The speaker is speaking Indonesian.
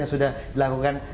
yang sudah dilakukan